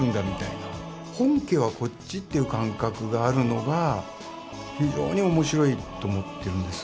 本家はこっちという感覚があるのが非常に面白いと思ってるんです。